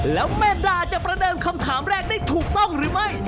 แล้วแม่ดาจะประเดิมคำถามแรกได้ถูกต้องหรือไม่